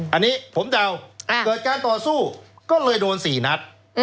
อันนี้ผมเดาเกิดการต่อสู้ก็เลยโดน๔นัด